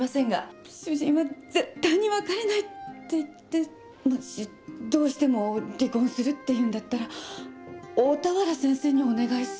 主人は絶対に別れないって言ってもしどうしても離婚するって言うんだったら大田原先生にお願いするって。